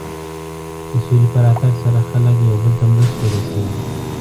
د سولې په راتګ سره خلک یو بل ته مرستې رسوي.